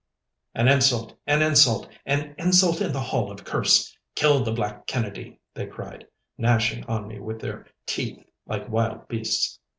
'An insult! an insult! an insult in the hall of Kerse. Kill the black Kennedy!' they cried, gnashing on me with their teeth like wild beasts.